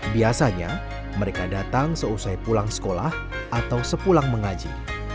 biasanya mereka datang seusai pulang sekolah atau sepulang mengaji